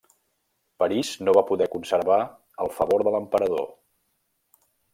Paris no va poder conservar el favor de l'emperador.